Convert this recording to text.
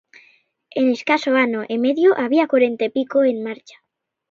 En escaso ano e medio había corenta e pico en marcha.